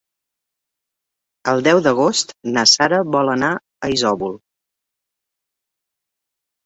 El deu d'agost na Sara vol anar a Isòvol.